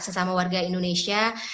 sesama warga indonesia